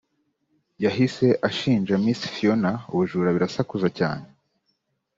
yahise ashinja Miss Phiona ubujura birasakuza cyane